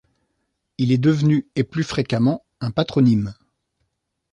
Il est devenu, et plus fréquemment, un patronyme.